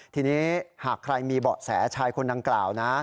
ทีนี้หากใครมีเบาะแสชายคนดังกล่าวนะ